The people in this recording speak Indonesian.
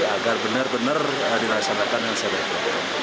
agar benar benar dilaksanakan yang sebaiknya